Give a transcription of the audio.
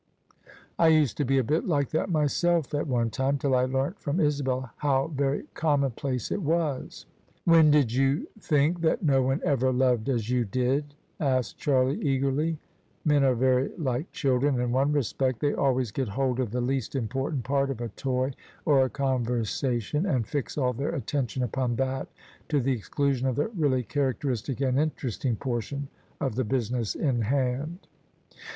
I used to be a bit like that myself at one time, till I learnt from Isabel how very commonplace it was." "When did you think that no one ever loved as you did?" asked Charlie, eagerly. Men are very like children in one respect, they always get hold of the least important part of a toy or a conversation, and fix all their attention upon that, to the exclusion of the really characteristic and interesting portion of the business in hand.